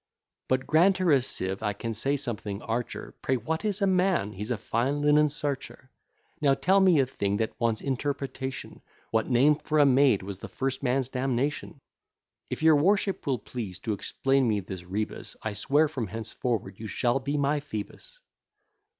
But grant her a sieve, I can say something archer; Pray what is a man? he's a fine linen searcher. Now tell me a thing that wants interpretation, What name for a maid, was the first man's damnation? If your worship will please to explain me this rebus, I swear from henceforward you shall be my Phoebus.